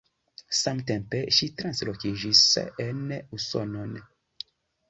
Samtempe ŝi transloĝiĝis en Usonon.